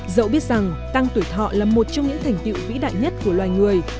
dẫu biết rằng tăng tuổi thọ là một trong những thành tiệu vĩ đại nhất của loài người